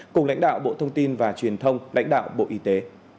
cùng lãnh đạo bộ thông tin và truyền thông lãnh đạo bộ y tế